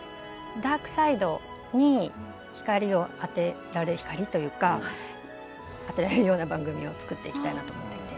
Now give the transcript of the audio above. ダークサイドに光を当てられ光というか当てられるような番組を作っていきたいなと思っていて。